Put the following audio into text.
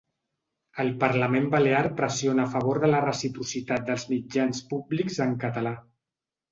El parlament balear pressiona a favor de la reciprocitat dels mitjans públics en català.